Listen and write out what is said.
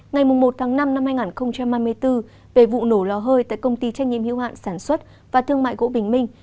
ngày một tháng năm năm hai nghìn hai mươi bốn về vụ nổ lò hơi tại công ty trách nhiệm hiệu hạn sản xuất và thương mại gỗ bình minh